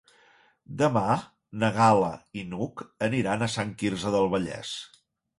Demà na Gal·la i n'Hug aniran a Sant Quirze del Vallès.